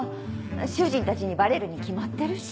主人たちにバレるに決まってるし。